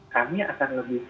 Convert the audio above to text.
kami akan lebih